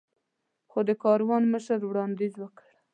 خو د کاروان مشر وړاندیز وکړ.